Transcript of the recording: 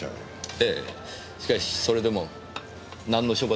ええしかしそれでもなんの処罰もないよりは。